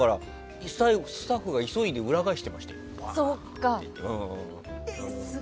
スタッフが急いで裏返してました。